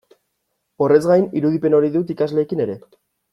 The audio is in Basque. Horrez gain, irudipen hori dut ikasleekin ere.